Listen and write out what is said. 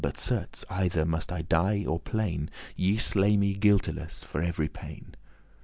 But certes either must I die or plain;* *bewail Ye slay me guilteless for very pain.